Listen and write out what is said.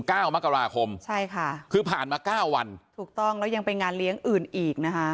เก้ามกราคมใช่ค่ะคือผ่านมาเก้าวันถูกต้องแล้วยังไปงานเลี้ยงอื่นอีกนะคะ